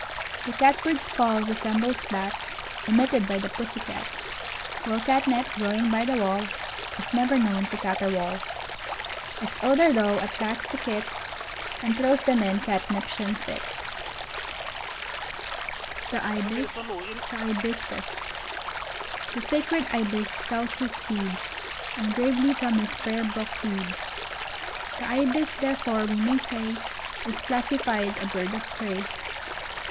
] The Cat bird's call resembles that, Emitted by the Pussy Cat, While Cat nip, growing by the wall, Is never known to caterwaul: Its odor though attracts the Kits, And throws them in Catniption fits. The Ibis. The 'Ibiscus. [Illustration: The Ibis. The 'Ibiscus.] The sacred Ibis tells his beads, And gravely from his prayer book reads; The Ibis therfore we may say, Is classified a bird of prey.